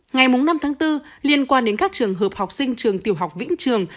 ngày bốn năm bốn liên quan đến các trường hợp học sinh trường tiểu học vĩnh trường